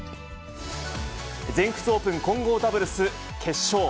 全仏オープン混合ダブルス決勝。